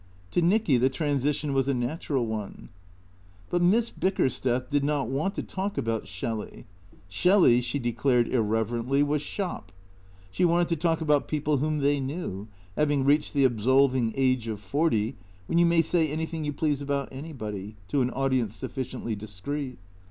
To Nicky the transition was a natural one. But Miss Bickersteth did not want to talk about Shelley. Shelley, she declared irreverently, was shop. She wanted to talk about people whom they knew, having reached the absolving age of forty, when you may say anything you please about anybody to an audience sufficiently discreet.